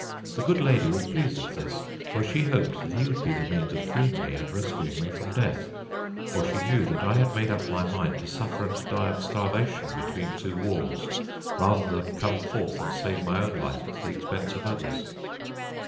"The good lady was pleased at this, for she hoped that he would be the means of freeing me and rescuing me from death; for she knew that I had made up my mind to suffer and die of starvation between two walls, rather than come forth and save my own life at the expense of others.